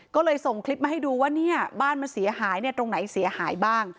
ก็เลยส่งคลิปมาให้ดูว่าเนี่ยบ้านมันเสียหายตรงไหนเสียหายบ้าง